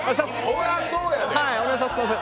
そりゃそうや。